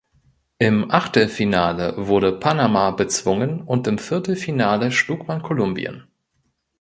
Im Achtelfinale wurde Panama bezwungen und im Viertelfinale schlug man Kolumbien.